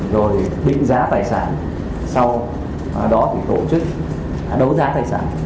rồi định giá tài sản sau đó thì tổ chức đấu giá tài sản